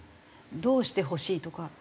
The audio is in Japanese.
どうしてほしいとか。